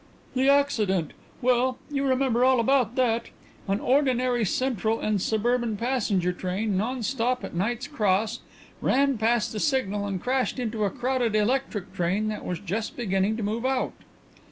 "The accident: well, you remember all about that. An ordinary Central and Suburban passenger train, non stop at Knight's Cross, ran past the signal and crashed into a crowded electric train that was just beginning to move out.